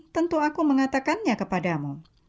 tentu aku mengatakannya kepadamu